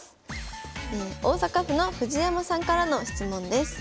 大阪府の藤山さんからの質問です。